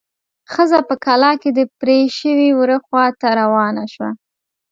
ښځه په کلا کې د پرې شوي وره خواته روانه شوه.